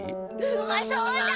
うまそうだ！